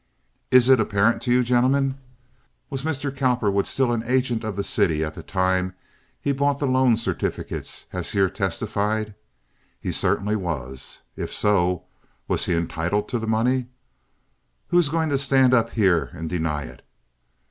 Is it apparent to you, gentlemen? Was Mr. Cowperwood still an agent for the city at the time he bought the loan certificates as here testified? He certainly was. If so, was he entitled to that money? Who is going to stand up here and deny it?